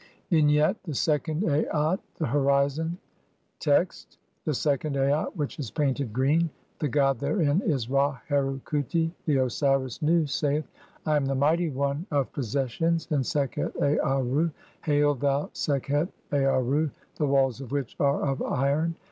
II. Vignette : The second Aat. The horizon. Text : (1) The second Aat [which is painted] green. "The "god therein is Ra Heru khuti." The Osiris Nu saith :— "I am the mighty one of possessions in Sekhet Aarru. Hail, "thou Sekhet (2)Aarru, the walls of which are of iron